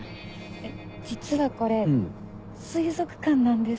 実はこれ水族館なんです。